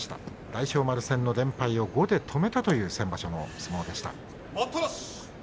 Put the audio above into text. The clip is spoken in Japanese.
大翔丸戦の連敗を５で止めたという先場所の相撲でした。